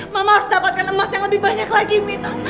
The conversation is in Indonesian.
mama harus dapatkan emas yang lebih banyak lagi mita